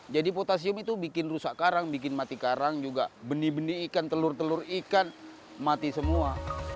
jadi potasium itu bikin rusak karang bikin mati karang juga benih benih ikan telur telur ikan mati semua